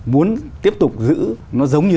muốn tiếp tục giữ nó giống như